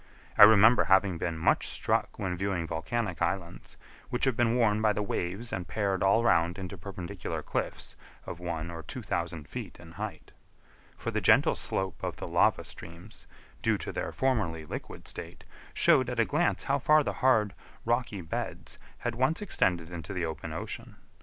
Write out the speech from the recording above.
I remember having been much struck when viewing volcanic islands, which have been worn by the waves and pared all round into perpendicular cliffs of one or two thousand feet in height; for the gentle slope of the lava streams, due to their formerly liquid state, showed at a glance how far the hard, rocky beds had once extended into the open ocean.